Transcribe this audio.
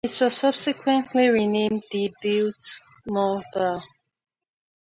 It was subsequently renamed the Biltmore Bar.